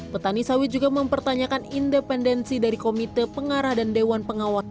petani sawit juga mempertanyakan independensi dari komite pengarah dan dewan pengawas